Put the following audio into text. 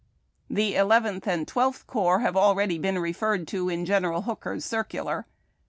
The Eleventh and Twelfth Corps have alread}' been referred to, in General Hooker's circular.